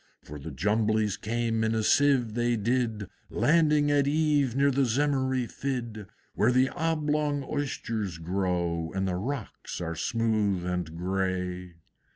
For the Jumblies came in a sieve, they did, Landing at eve near the Zemmery Fidd Where the Oblong Oysters grow, And the rocks are smooth and gray.